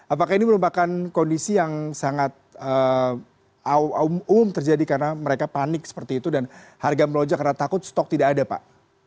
apakah ini merupakan kondisi yang sangat umum terjadi karena mereka panik seperti itu dan harga melonjak karena takut stok tidak ada pak